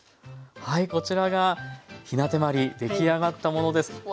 はいこちらがひな手まり出来上がったものです。